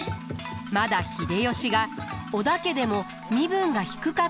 まだ秀吉が織田家でも身分が低かった頃だと考えられます。